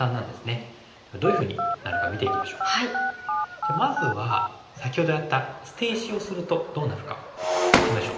じゃあまずは先ほどやった捨て石をするとどうなるかやってみましょう。